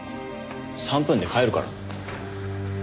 ３分で帰るからな。